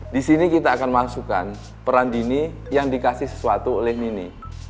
di sini kita akan masukkan peran dini yang dikasih sesuatu oleh mini